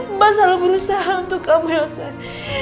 mbak selalu berusaha untuk kamu yosan